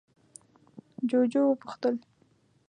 جُوجُو وپوښتل: